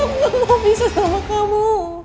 aku gak mau pisah sama kamu